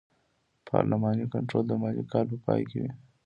پارلماني کنټرول د مالي کال په پای کې وي.